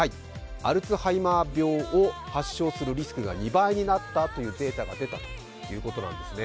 アルツハイマー病を発症するリスクが２倍になったというデータが出たそうなんですね。